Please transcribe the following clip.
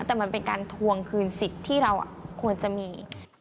แต่มันเป็นการทวงคืนสิทธิ์ที่เราควรจะมี